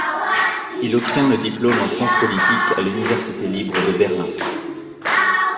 Il obtient le diplôme en sciences politiques à l’université libre de Berlin.